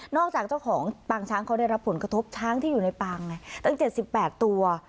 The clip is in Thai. จากเจ้าของปางช้างเขาได้รับผลกระทบช้างที่อยู่ในปางไงตั้ง๗๘ตัว